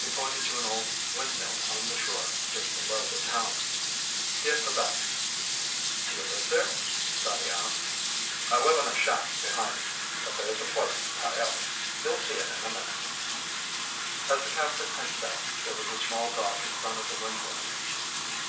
He pointed to an old windmill on the shore just below the town. "Steer for that." "Do you live there?" Scotty asked. "I live in a shack behind it. But there's a place to tie up. You'll see it in a minute." As the captain had said, there was a small dock in front of the windmill.